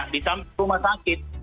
di rumah sakit